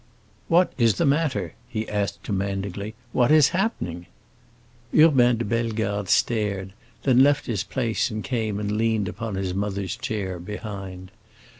"What is the matter?" he asked commandingly; "what is happening?" Urbain de Bellegarde stared, then left his place and came and leaned upon his mother's chair, behind.